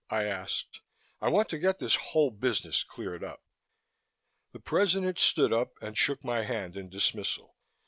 I asked. "I want to get this whole business cleared up." The President stood up and shook my hand in dismissal.